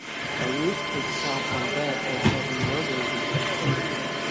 Arup takes help from Dev for solving murders in the vicinity.